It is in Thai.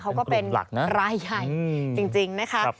เขาก็เป็นรายใหญ่จริงนะคะ